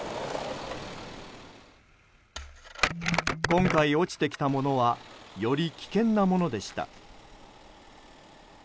今回落ちてきたものはより危険なものでした。